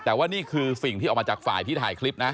แต่ว่านี่คือสิ่งที่ออกมาจากฝ่ายที่ถ่ายคลิปนะ